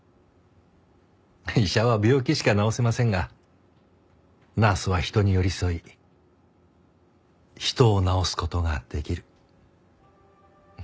医者は病気しか治せませんがナースは人に寄り添い人を治す事ができる。